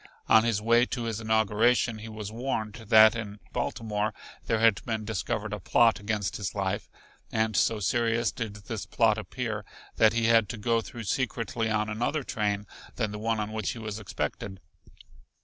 On his way to his inauguration he was warned that in Baltimore there had been discovered a plot against his life, and so serious did this plot appear that he had to go through secretly on another train than the one on which he was expected.